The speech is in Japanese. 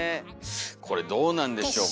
これどうなんでしょうか。